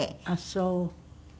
あっそう。